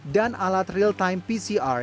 dan alat real time pcr